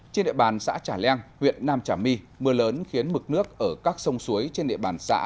trên địa bàn xã trà leng huyện nam trà my mưa lớn khiến mực nước ở các sông suối trên địa bàn xã